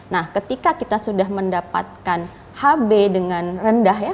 nah ketika kita sudah mendapatkan hb dengan rendah ya